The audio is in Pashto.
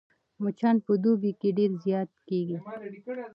مچان په دوبي کې ډېر زيات کېږي